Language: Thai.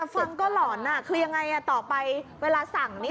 ฟังก็หล่อนคือยังไงต่อไปเวลาสั่ง